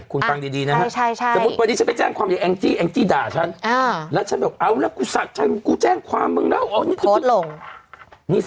คุณฟังดีนะฮะสมมุติวันนี้ฉันไปแจ้งความอย่างแองจี้แองจี้ด่าฉันแล้วฉันบอกเอาแล้วกูสะใจกูแจ้งความมึงแล้ว